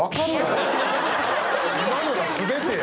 今のが全てや！